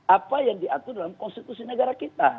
apa yang diatur dalam konstitusi negara kita